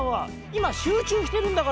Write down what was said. いましゅうちゅうしてるんだから！